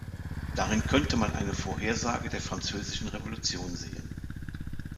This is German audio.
Darin könnte man eine Vorhersage der Französischen Revolution sehen.